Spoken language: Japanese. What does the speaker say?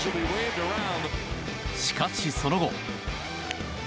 しかし、その後。